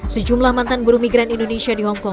sejumlah mantan buru migran indonesia di hongkong